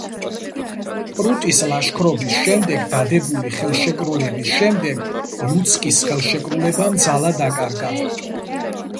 პრუტის ლაშქრობის შემდეგ დადებული ხელშეკრულების შემდეგ ლუცკის ხელშეკრულებამ ძალა დაკარგა.